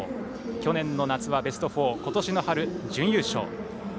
去年の夏はベスト４今年の春、準優勝。